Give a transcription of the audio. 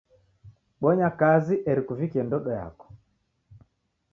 Bonya kazi eri kuvikie ndodo yako.